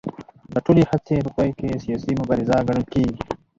دا ټولې هڅې په پای کې سیاسي مبارزه ګڼل کېږي